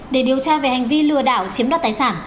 để điều tra về hành vi lừa đảo chiếm đoạt tài sản